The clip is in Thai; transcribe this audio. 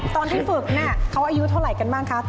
ตอนที่ฝึกน่ะเขาอายุเท่าไรกันบ้างครับ